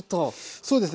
そうですね。